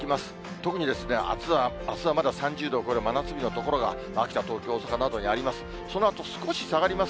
特にあすはまだ３０度を超える真夏日の所が、秋田、東京、大阪などにあります。